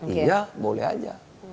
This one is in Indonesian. iya boleh aja